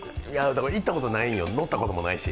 行ったことないよ、乗ったこともないし。